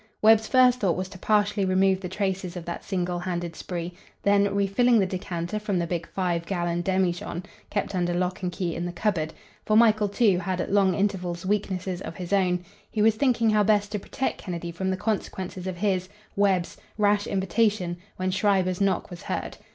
Webb's first thought was to partially remove the traces of that single handed spree; then, refilling the decanter from the big five gallon demijohn, kept under lock and key in the cupboard for Michael, too, had at long intervals weaknesses of his own he was thinking how best to protect Kennedy from the consequences of his, Webb's, rash invitation when Schreiber's knock was heard.